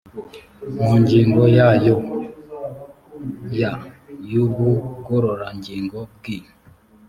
mu ngingo yayo ya y ubugororangingo bw i